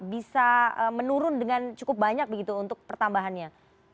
bisa menurun dengan cukup banyak begitu untuk pertambahannya